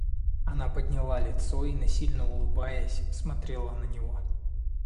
Она подняла лицо и, насильно улыбаясь, смотрела на него.